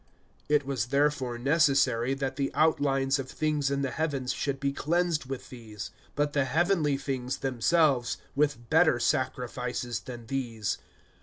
(23)It was therefore necessary, that the outlines of things in the heavens should be cleansed with these; but the heavenly things themselves, with better sacrifices than these.